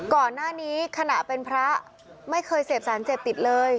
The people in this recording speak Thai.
ก่อนหน้านี้ขณะเป็นพระไม่เคยเสพสารเสพติดเลย